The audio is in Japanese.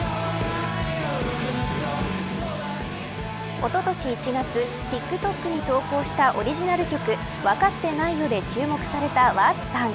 おととし１月ＴｉｋＴｏｋに投稿したオリジナル曲分かってないよ、で注目されたＷｕｒｔＳさん